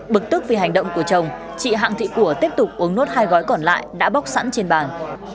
bực tức vì hành động của chồng chị hạng thị của tiếp tục uống nốt hai gói còn lại đã bóc sẵn trên bàn